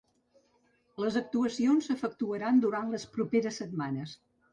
Les actuacions s’efectuaran durant les properes setmanes.